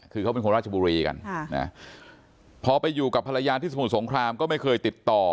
คือเขาเป็นคนราชบุรีกันพอไปอยู่กับภรรยาที่สมุทรสงครามก็ไม่เคยติดต่อ